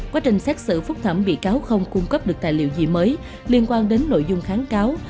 quá trình xét xử phúc thẩm bị cáo không cung cấp được tài liệu gì mới liên quan đến nội dung kháng cáo